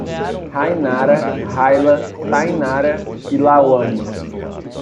Rainara, Raila, Thaynara e Lauane